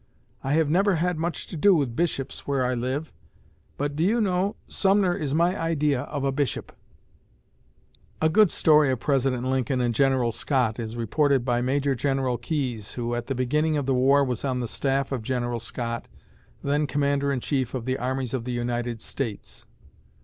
I have never had much to do with Bishops where I live, but, do you know, Sumner is my idea of a Bishop." A good story of President Lincoln and General Scott is reported by Major General Keyes, who at the beginning of the war was on the staff of General Scott, then commander in chief of the armies of the United States.